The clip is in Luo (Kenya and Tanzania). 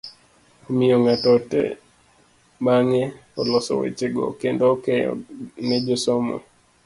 Omiyo ng'ato ote bang'e oloso weche go kendo okeyo ne josomo.